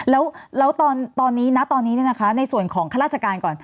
แล้วตอนนี้ณตอนนี้ในส่วนของข้าราชการก่อน